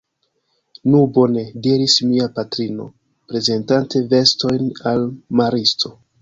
Nu bone! diris mia patrino, prezentante vestojn al la maristo.